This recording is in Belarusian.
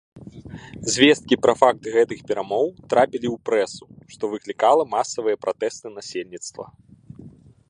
Звесткі пра факт гэтых перамоў трапілі ў прэсу, што выклікала масавыя пратэсты насельніцтва.